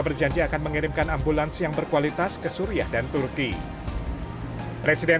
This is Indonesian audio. berjanji akan mengirimkan ambulans yang berkualitas ke suriah dan turki presiden